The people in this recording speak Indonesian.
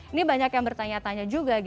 ini banyak yang bertanya tanya juga